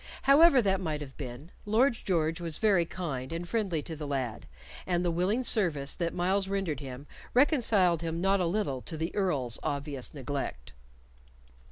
However that might have been, Lord George was very kind and friendly to the lad, and the willing service that Myles rendered him reconciled him not a little to the Earl's obvious neglect.